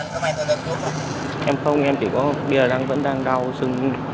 thuốc giảm đau